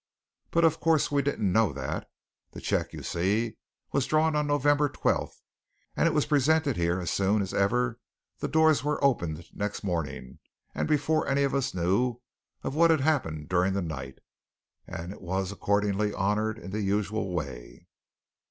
"But of course we didn't know that. The cheque, you see, was drawn on November 12th, and it was presented here as soon as ever the doors were opened next morning and before any of us knew of what had happened during the night, and it was accordingly honoured in the usual way."